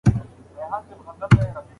غږ به ساتل سوی وي.